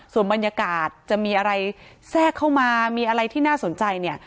ส่วนบรรยากาศจะมีอะไรแทรกเข้ามามีอะไรที่น่าสนใจเนี่ย